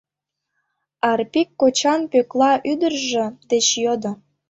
- Арпик кочан Пӧкла ӱдыржӧ деч йодо.